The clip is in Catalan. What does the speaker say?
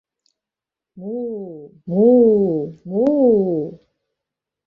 Muu, muu, muu!